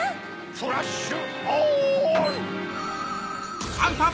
フラッシュオン！